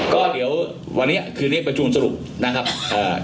ก็เดี๋ยววันนี้คืนนี้ประชุมสรุปนะครับเอ่อ